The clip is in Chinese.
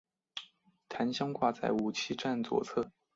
弹箱挂在武器站左侧。